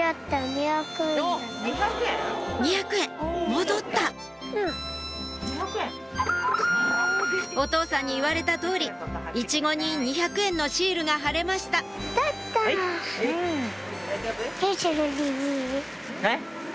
戻ったお父さんに言われた通りイチゴに２００円のシールが貼れましたえっ？